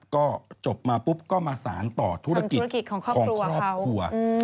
ก็จบมาปุ๊บก็มาสารต่อธุรกิจของครอบครัว